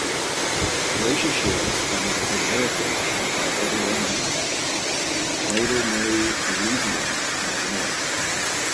Calcareous shales from the Canberra Formation are overlain by Quaternary alluvium on the north.